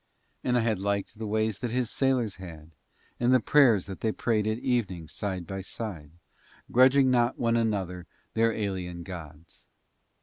And I had liked the ways that his sailors had, and the prayers that they prayed at evening side by side, grudging not one another their alien gods.